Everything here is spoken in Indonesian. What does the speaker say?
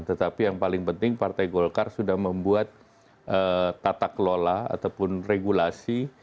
tetapi yang paling penting partai golkar sudah membuat tata kelola ataupun regulasi